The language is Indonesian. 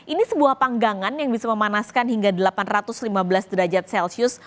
ini sebuah panggangan yang bisa memanaskan hingga delapan ratus lima belas derajat celcius